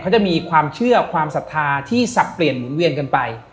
เขาจะมีความเชื่อความศรัทธาที่สับเปลี่ยนหมุนเวียนกันไป